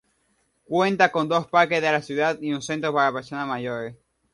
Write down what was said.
Cuenta con dos parques de la ciudad y un centro para personas mayores.